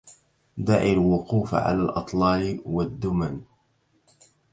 دع الوقوف على الأطلال والدمن